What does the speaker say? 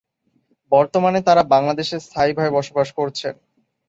বর্তমানে তারা বাংলাদেশে স্থায়ীভাবে বসবাস করছেন।